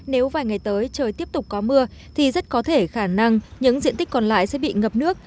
nếu vài ngày tới trời tiếp tục có mưa thì rất có thể khả năng những diện tích còn lại sẽ bị ngập nước